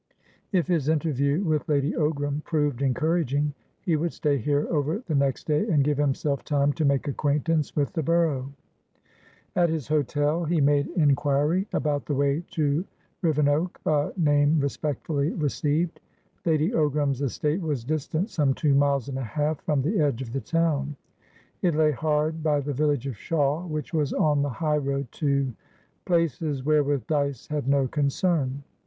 If his interview with Lady Ogram proved encouraging, he would stay here over the next day, and give himself time to make acquaintance with the borough. At his hotel, he made inquiry about the way to Rivenoak, a name respectfully received. Lady Ogram's estate was distant some two miles and a half from the edge of the town; it lay hard by the village of Shawe, which was on the highroad toplaces wherewith Dyce had no concern.